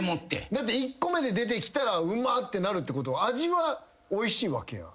だって１個目で出てきたらうま！ってなるってことは味はおいしいわけやん。